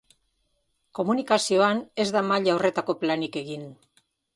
Komunikazioan ez da maila horretako planik egin.